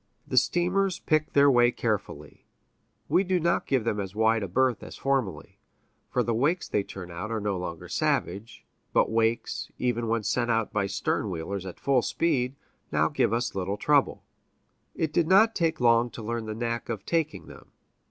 The steamers pick their way carefully; we do not give them as wide a berth as formerly, for the wakes they turn are no longer savage but wakes, even when sent out by stern wheelers at full speed, now give us little trouble; it did not take long to learn the knack of "taking" them.